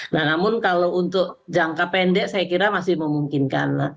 nah namun kalau untuk jangka pendek saya kira masih memungkinkan